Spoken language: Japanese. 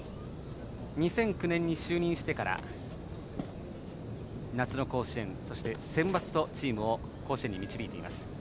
２００９年に就任してから夏の甲子園、そしてセンバツとチームを甲子園に導いています。